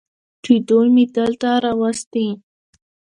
چې دوي مې دلته راوستي.